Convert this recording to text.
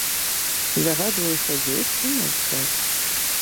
Загадваю сядзець і маўчаць.